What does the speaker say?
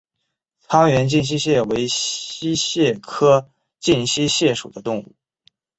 沧源近溪蟹为溪蟹科近溪蟹属的动物。